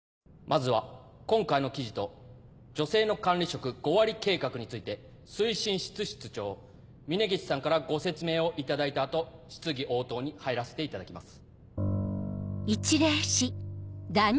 まずは今回の記事と女性の管理職５割計画について推進室室長峰岸さんからご説明をいただいた後質疑応答に入らせていただきます。